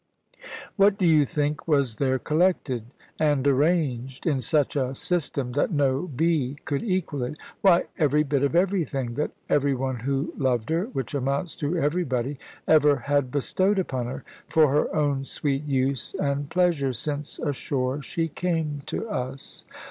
What do you think was there collected, and arranged in such a system that no bee could equal it? Why, every bit of everything that every one who loved her (which amounts to everybody) ever had bestowed upon her, for her own sweet use and pleasure, since ashore she came to us.